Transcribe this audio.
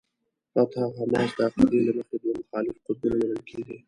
فتح او حماس د عقیدې له مخې دوه مخالف قطبونه بلل کېږي.